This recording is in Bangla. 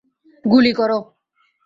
গুলি করো।